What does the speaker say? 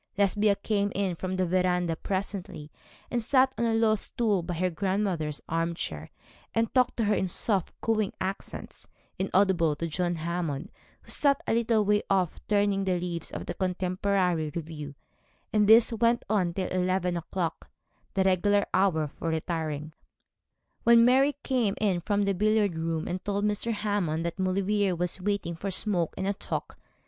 Lesbia came in from the verandah presently, and sat on a low stool by her grandmother's arm chair, and talked to her in soft, cooing accents, inaudible to John Hammond, who sat a little way off turning the leaves of the Contemporary Review: and this went on till eleven o'clock, the regular hour for retiring, when Mary came in from the billiard room, and told Mr. Hammond that Maulevrier was waiting for a smoke and a talk.